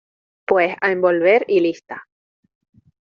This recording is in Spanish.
pues a envolver y lista.